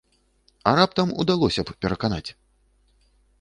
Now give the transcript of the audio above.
А раптам удалося б пераканаць?